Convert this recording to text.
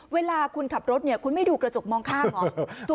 เวลาคุณขับรถคุณไม่ดูกระจกมองข้างออก